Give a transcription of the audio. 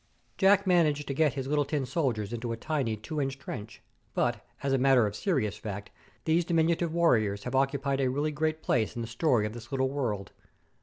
Jack managed to get his little tin soldiers into a tiny two inch trench; but, as a matter of serious fact, those diminutive warriors have occupied a really great place in the story of this little world.